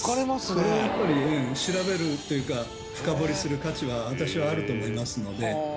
これはやっぱり調べるというか深掘りする価値は私はあると思いますので。